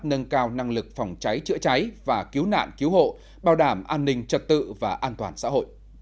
nâng cao năng lực phòng cháy chữa cháy và cứu nạn cứu hộ bảo đảm an ninh trật tự và an toàn xã hội